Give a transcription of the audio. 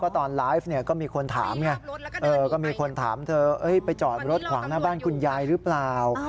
ตอนไลฟ์ก็มีคนถามเธอไปจอดรถขวางหน้าบ้านคุณยายหรือเปล่า